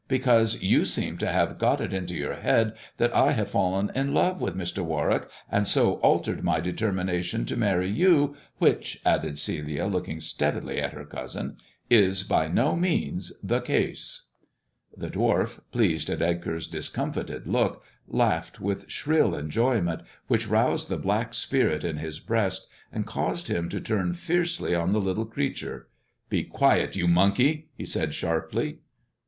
" Because you seem to have got it into your head that I have fallen in love with Mr. Warwick, and so altered my determination to marry you, which," added Celia^ looking steadily at her cousin, "is by no means the case." The d\^arf, pleased at Edgar's discomfited look, laughed with shrill enjoyment, which roused the black spirit in his breast, and caused him to turn fiercely on the little creature. " Be quiet, you monkey !" he said sharply.